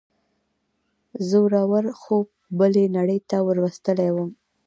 زوره ور خوب بلې نړۍ ته وروستلی وم.